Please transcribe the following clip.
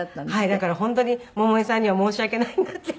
だから本当に百恵さんには申し訳ないなって。